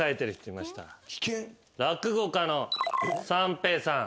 落語家の三平さん。